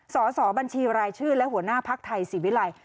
สสบัญชีรายชื่อและหัวหน้าภักดิ์ไทยศิวิลัย